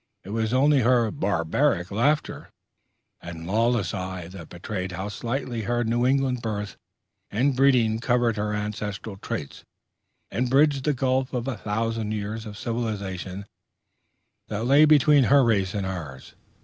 It was only her barbaric laughter and lawless eye that betrayed how slightly her New England birth and breeding covered her ancestral traits, and bridged the gulf of a thousand years of civilization that lay between her race and ours.